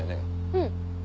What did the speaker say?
うん。